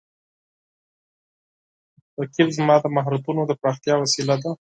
رقیب زما د مهارتونو د پراختیا وسیله ده